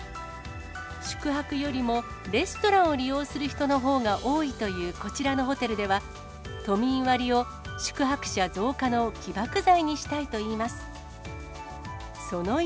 宿泊よりもレストランを利用する人のほうが多いというこちらのホテルでは、都民割を宿泊者増加の起爆剤にしたいといいます。